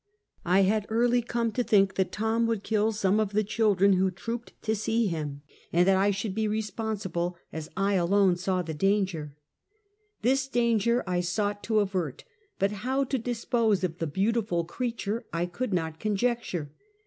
I had early come to think that Tom would kill some of the children who trooped to see him, and that I should be responsible as I alone saw the danger. This danger I sought to avert, but how to dispose of the beautiful creature I could not conjecture.